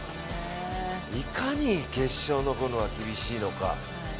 いかに決勝に残るのが厳しいのか。